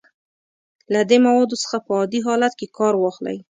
له دې موادو څخه په عادي حالت کې کار واخلئ.